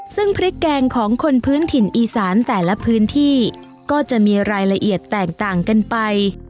ซึ่งพริกแกงของคนพื้นถิ่นอีสานแต่ละพื้นที่ก็จะมีรายละเอียดแตกต่างกันไป